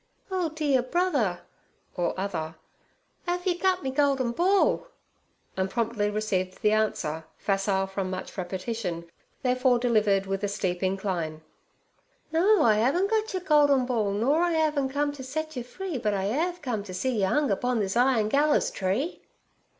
'Oh, dear brother' (or other), "ave yer gut me goldin ball?' and promptly received the answer, facile from much repetition, therefore delivered with a steep incline: 'No,—I—'aven'—gut—yer—goldin—ball,—nor—I—'aven'—come—ter—set—yer—free,—but—I—'ave—come—ter—see—yer—'ung—upon—this—iron—gallers—tree.'